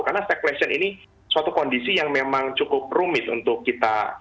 karena stagflation ini suatu kondisi yang memang cukup rumit untuk kita